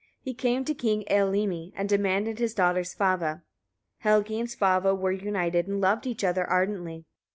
He came to King Eylimi and demanded his daughter Svava. Helgi and Svava were united, and loved each other ardently.